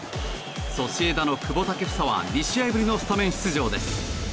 ソシエダの久保建英は２試合ぶりのスタメン出場です。